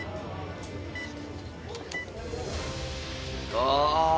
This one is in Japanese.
ああ。